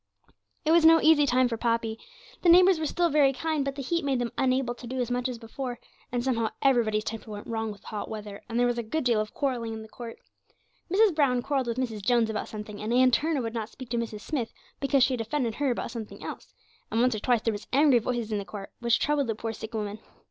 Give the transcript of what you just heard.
It was no easy time for Poppy. The neighbours were still very kind, but the heat made them unable to do as much as before, and somehow everybody's temper went wrong with the hot weather, and there was a good deal of quarrelling in the court. Mrs. Brown quarrelled with Mrs. Jones about something, and Ann Turner would not speak to Mrs. Smith because she had offended her about something else, and once or twice there were angry voices in the court, which troubled the poor sick woman.